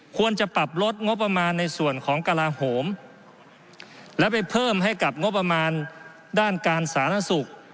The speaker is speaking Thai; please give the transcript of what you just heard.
ควรจะปรับลดงบประมาณในส่วนของกระลาโหมและไปเพิ่มให้กับงบประมาณด้านการสาธารณสุข